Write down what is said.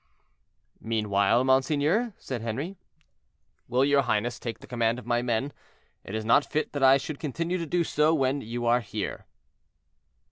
"Meanwhile, monseigneur," said Henri, "will your highness take the command of my men? It is not fit that I should continue to do so when you are here."